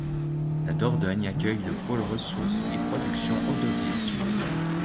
La Dordogne accueille le pôle ressources et production audiovisuelle.